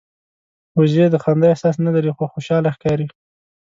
وزې د خندا احساس نه لري خو خوشاله ښکاري